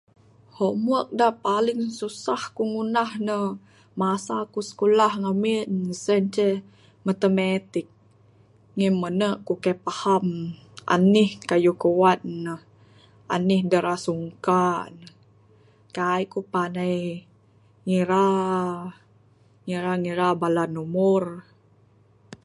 Homework da paling susah ku ngunah ne masa ku skulah ngamin ne sien ceh matematik, ngin mene ku kaik paham anih kayuh kuan ne anih da ra sungka ne kaik ku panai ngira, ngira ngira bala numur.